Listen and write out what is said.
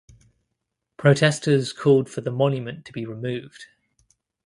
Protesters called for the monument to be removed.